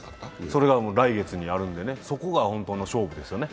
それが来月にあるんでね、そこが本当の勝負ですよね。